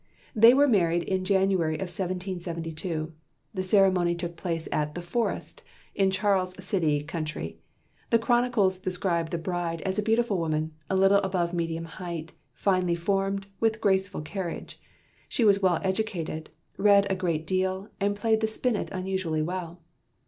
They were married in January of 1772. The ceremony took place at "The Forest" in Charles City County. The chronicles describe the bride as a beautiful woman, a little above medium height, finely formed, and with graceful carriage. She was well educated, read a great deal, and played the spinet unusually well.